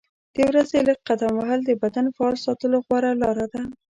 د ورځې لږ قدم وهل د بدن فعال ساتلو غوره لاره ده.